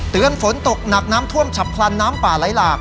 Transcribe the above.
ฝนตกหนักน้ำท่วมฉับพลันน้ำป่าไหลหลาก